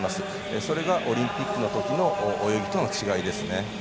それがオリンピックのときの泳ぎとの違いですね。